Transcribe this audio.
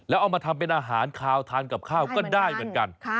แล้วเอามาทำเป็นอาหารคาวทานกับข้าวก็ได้เหมือนกัน